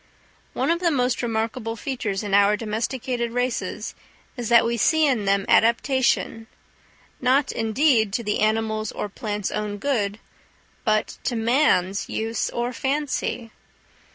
One of the most remarkable features in our domesticated races is that we see in them adaptation, not indeed to the animal's or plant's own good, but to man's use or fancy.